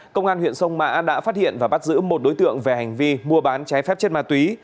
công an huyện sông mã đã phát hiện và bắt giữ một đối tượng về hành vi mua bán trái phép chất ma túy